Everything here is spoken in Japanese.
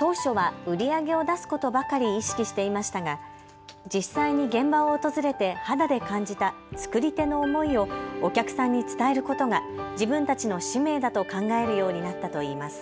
当初は売り上げを出すことばかり意識していましたが実際に現場を訪れて肌で感じた作り手の思いをお客さんに伝えることが自分たちの使命だと考えるようになったといいます。